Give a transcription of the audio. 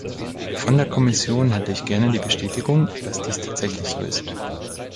Von der Kommission hätte ich gerne die Bestätigung, dass dies tatsächlich so ist.